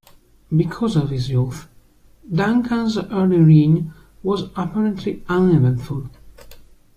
Because of his youth, Duncan's early reign was apparently uneventful.